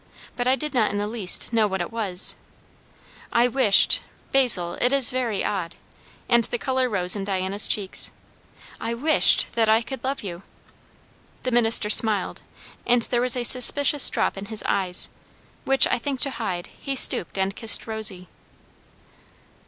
But I did not in the least know what it was. I wished Basil, it is very odd!" and the colour rose in Diana's cheeks, "I wished that I could love you." The minister smiled, and there was a suspicious drop in his eyes, which I think to hide, he stooped and kissed Rosy.